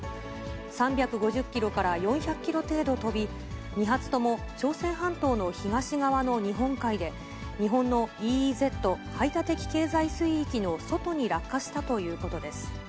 ３５０キロから４００キロ程度飛び、２発とも朝鮮半島の東側の日本海で、日本のＥＥＺ・排他的経済水域の外に落下したということです。